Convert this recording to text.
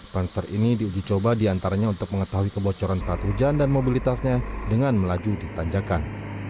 konser ini diuji coba diantaranya untuk mengetahui kebocoran saat hujan dan mobilitasnya dengan melaju di tanjakan